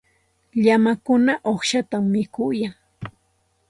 Llamakuna uqshatam mikuyan.